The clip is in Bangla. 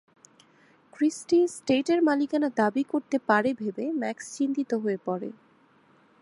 ক্রিস্টি এস্টেটের মালিকানা দাবি করতে পারে ভেবে ম্যাক্স চিন্তিত হয়ে পড়ে।